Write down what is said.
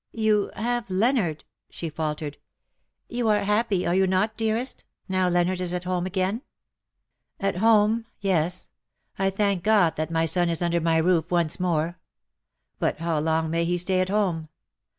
" You have Leonard," she faltered. '' You are happy, are you not, dearest, now Leonard is at home again." ^^ At home — yes, I thank God that my son is under my roof once more. But how long may he stay at home?